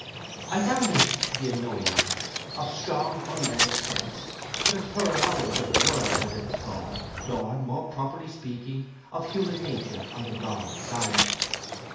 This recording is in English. I found this to be a knowing man, of strong unlettered sense; but a thorough knowledge of the world, as it is called, or, more properly speaking, of human nature on the wrong side.